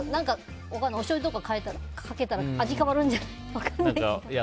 おしょうゆとかかけたら味変わるんじゃない？